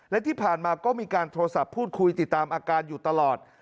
และที่ผ่านมาก็มีการโทรศัพท์พูดคุยติดตามอาการอยู่ตลอด